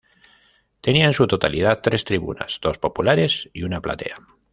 Tenía en su totalidad tres tribunas: dos populares y una platea.